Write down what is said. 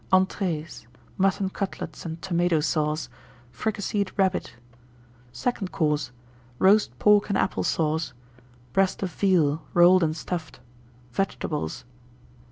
ENTREES. Mutton Cutlets and Tomato Sauce. Fricasseed Rabbit. SECOND COURSE. Roast Pork and Apple Sauce. Breast of Veal, Rolled and Stuffed. Vegetables.